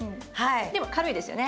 でも軽いですよね。